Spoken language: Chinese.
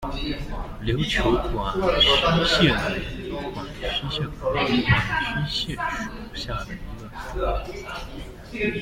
琉球管须蟹为管须蟹科管须蟹属下的一个种。